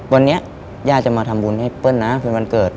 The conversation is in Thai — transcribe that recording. วันนี้ย่าจะมาทำบุญให้เปิ้ลนะเป็นวันเกิด